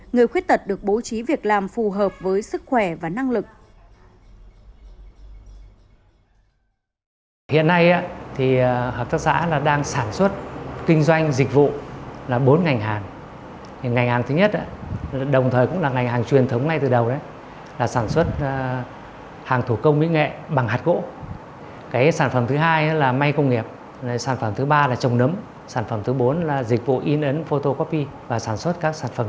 người khuyết tật được bố trí việc làm phù hợp với sức khỏe và năng lực